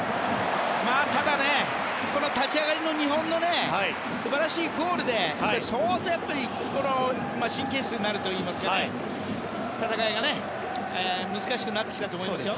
ただ、立ち上がりの日本の素晴らしいゴールで相当、神経質になるといいますか戦いが難しくなったと思いますよ。